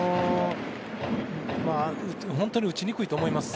本当に打ちにくいと思います。